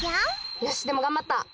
よしでもがんばった。